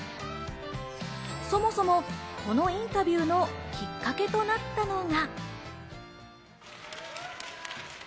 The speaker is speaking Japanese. そもそも、このインタビューのきっかけとなったのが。